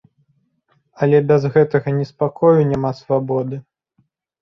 Але без гэтага неспакою няма свабоды.